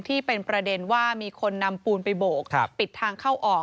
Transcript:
ที่เป็นประเด็นว่ามีคนนำปูนไปโบกปิดทางเข้าออก